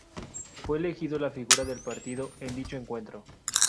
Fue elegido la figura del partido en dicho encuentro.